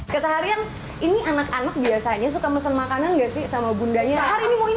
bisa harian ini anak anak biasanya suka mesen makanan nggak sih sama bundanya hari ini mau ini